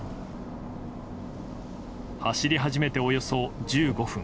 走り始めておよそ１５分。